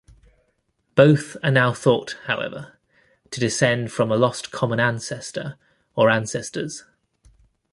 Both are now thought, however, to descend from a lost common ancestor or ancestors.